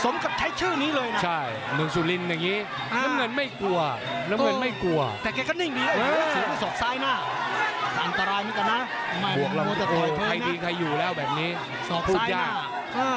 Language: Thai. โอ้ใครดีใครอยู่แล้วแบบนี้พูดยาก